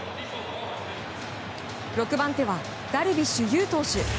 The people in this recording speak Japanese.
６番手はダルビッシュ有投手。